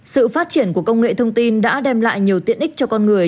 sự phát triển của công nghệ thông tin đã đem lại nhiều tiện ích cho con người